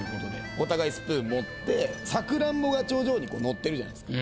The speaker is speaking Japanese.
お互いスプーン持ってさくらんぼが頂上にのってるじゃないですか。